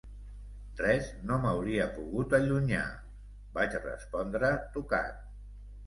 "Res no m'hauria pogut allunyar", vaig respondre, tocat.